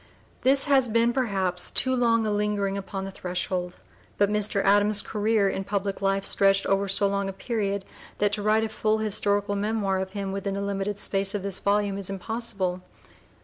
This has been, perhaps, too long a lingering upon the threshold. But Mr. Adams's career in public life stretched over so long a period that to write a full historical memoir of him within the limited space of this volume is impossible.